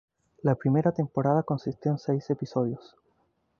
La primera temporada consistió en seis episodios.